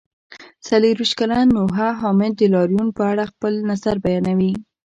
څلرویشت کلن نوحه حامد د لاریون په اړه خپل نظر بیانوي.